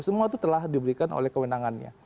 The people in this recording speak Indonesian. semua itu telah diberikan oleh kewenangannya